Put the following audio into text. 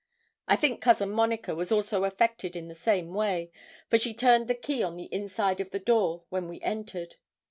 I think Cousin Monica was also affected in the same way, for she turned the key on the inside of the door when we entered.